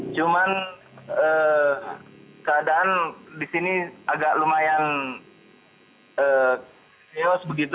cuman keadaan di sini agak lumayan chaos begitu